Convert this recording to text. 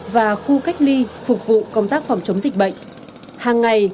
và khu vực tạm giam công an tỉnh quảng ngãi